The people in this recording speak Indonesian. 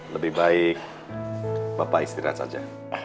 lebih baik bapak istirahat saja